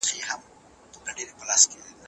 کوم کتاب ستا پر شخصیت ژور اثر وکړ؟